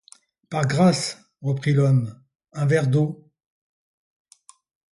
Par grâce, reprit l'homme, un verre d'eau.